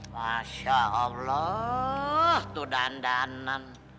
masya allah tuh dandanan